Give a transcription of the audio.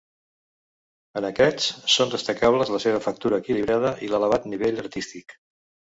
En aquests, són destacables la seva factura equilibrada i l'elevat nivell artístic.